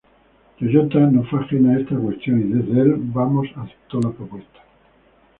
Toyota, no fue ajena a esta cuestión y desde el vamos aceptó la propuesta.